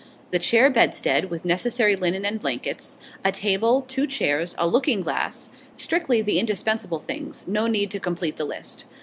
The chair bedstead, with necessary linen and blankets, a table, two chairs, a looking glass strictly the indispensable things; no need to complete the list.